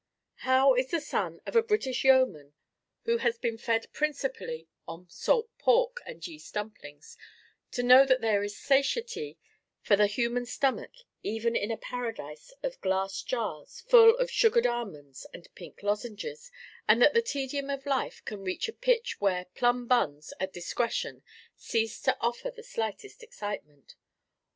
How is the son of a British yeoman, who has been fed principally on salt pork and yeast dumplings, to know that there is satiety for the human stomach even in a paradise of glass jars full of sugared almonds and pink lozenges, and that the tedium of life can reach a pitch where plum buns at discretion cease to offer the slightest excitement?